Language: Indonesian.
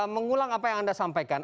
mengulang apa yang anda sampaikan